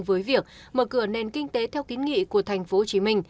với việc mở cửa nền kinh tế theo kín nghị của tp hcm